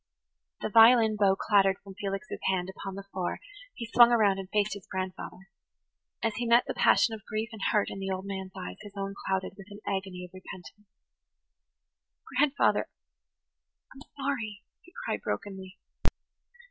The violin bow clattered from Felix's hand upon the floor; he swung around and faced his grandfather. As he met the passion of grief and hurt in the old man's eyes his own clouded with an agony of repentance. "Grandfather–I'm sorry," he cried brokenly.